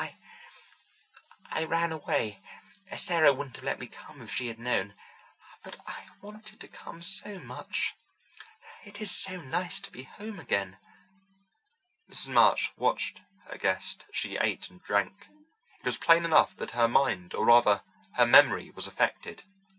"I—I ran away. Sarah wouldn't have let me come if she had known. But I wanted to come so much. It is so nice to be home again." Mrs. March watched her guest as she ate and drank. It was plain enough that her mind, or rather her memory, was affected.